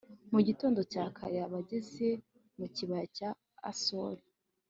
mu gitondo cya kare aba ageze mu kibaya cya asori